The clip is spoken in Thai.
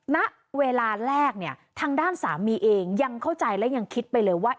ณเวลาแรกเนี่ยทางด้านสามีเองยังเข้าใจและยังคิดไปเลยว่า